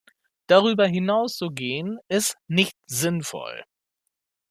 Darüber hinauszugehen, ist nicht sinnvoll.